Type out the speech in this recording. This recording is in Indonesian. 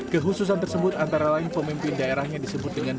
kehususan tersebut antara lain pemimpin daerahnya disebut dengan